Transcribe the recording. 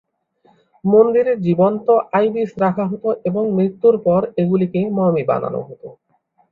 মন্দিরে জীবন্ত আইবিস রাখা হতো এবং মৃত্যুর পর এগুলিকে মমি বানানো হতো।